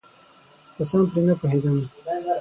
خو سم پرې نپوهیدم.